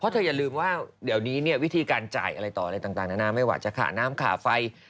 เธออย่าลืมว่าเดี๋ยวนี้เนี่ยวิธีการจ่ายอะไรต่ออะไรต่างนานาไม่ว่าจะขาน้ำขาไฟ